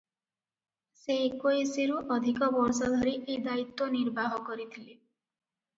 ସେ ଏକୋଇଶରୁ ଅଧିକ ବର୍ଷ ଧରି ଏ ଦାୟିତ୍ୱ ନିର୍ବାହ କରିଥିଲେ ।